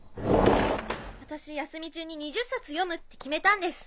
私休み中に２０冊読むって決めたんです。